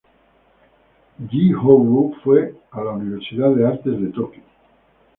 Yi Ho-woo fue a la Universidad de Artes de Tokio.